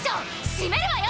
しめるわよ！